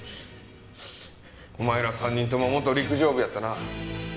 お前ら３人とも元陸上部やったな。